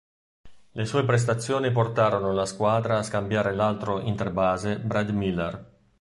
Le sue prestazioni portarono la squadra a scambiare l'altro interbase Brad Miller.